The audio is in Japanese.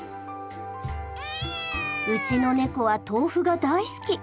うちの猫は豆腐が大好き。